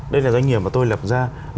đây là doanh nghiệp mà tôi lập ra